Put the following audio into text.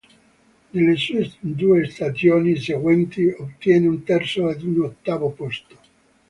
Nelle due stagioni seguenti ottiene un terzo ed un ottavo posto.